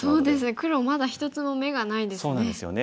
黒まだ一つも眼がないですね。